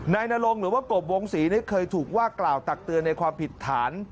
นรงหรือว่ากบวงศรีเคยถูกว่ากล่าวตักเตือนในความผิดฐาน